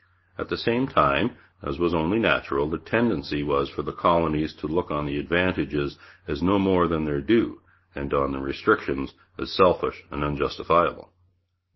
At the same time, as was only natural, the tendency was for the colonies to look on the advantages as no more than their due, and on the restrictions as selfish and unjustifiable.